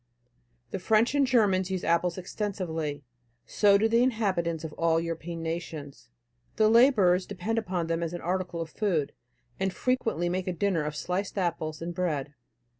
The French and Germans use apples extensively, so do the inhabitants of all European nations. The laborers depend upon them as an article of food, and frequently make a dinner of sliced apples and bread."